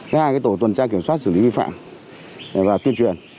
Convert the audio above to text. thứ hai tổ tuần tra kiểm soát xử lý vi phạm và tuyên truyền